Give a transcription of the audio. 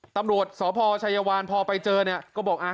ตำรวจสพชัยวานพอไปเจอเนี่ยก็บอก